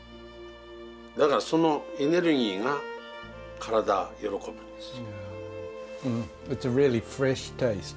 だからそのエネルギーが体喜ぶんです。